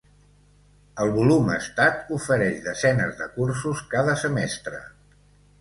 El Volum Estat ofereix desenes de cursos cada semestre.